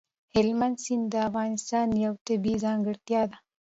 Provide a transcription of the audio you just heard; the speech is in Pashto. هلمند سیند د افغانستان یوه طبیعي ځانګړتیا ده.